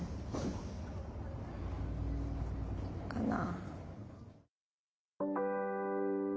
かな。